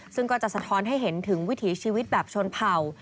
ซึ่งก็จะสะท้อนให้เห็นถึงวิถีชีวิตแบบชนเผ่า